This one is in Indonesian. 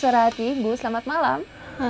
halo suara hati bu selamat malam